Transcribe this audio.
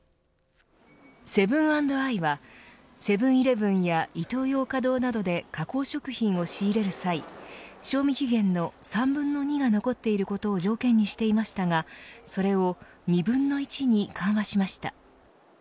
セブン＆アイはセブン‐イレブンやイトーヨーカドーなどで加工食品を仕入れる際賞味期限の３分の２が残っていることを条件にしていましたがそれを２分の１に緩和しました。